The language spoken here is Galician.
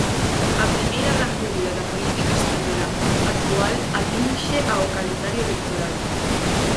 A primeira gran dúbida da política española actual atinxe ao calendario electoral.